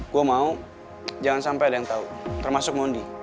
gue mau jangan sampai ada yang tahu termasuk mondi